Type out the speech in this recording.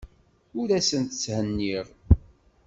Ur asent-tthenniɣ.